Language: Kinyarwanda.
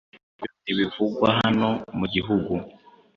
ibyo ntibivugwa hano mugihugu